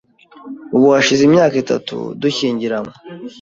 Ubu hashize imyaka itatu dushyingiranywe.